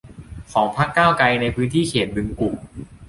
ของพรรคก้าวไกลในพื้นที่เขตบึงกุ่ม